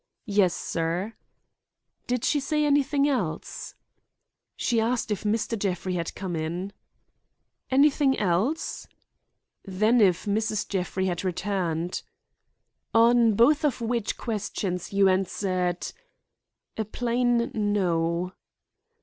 "Yes, sir" "Did she say anything else?" "She asked if Mr. Jeffrey had come in" "Anything else?" "Then if Mrs. Jeffrey had returned." "To both of which questions you answered—" "A plain 'No.